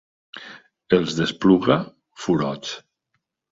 Els d'Espluga, furots.